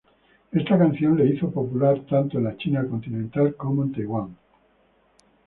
Esta canción la hizo popular tanto en la China continental como en Taiwán.